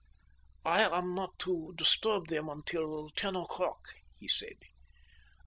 "I am not to disturb them until ten o'clock," he said.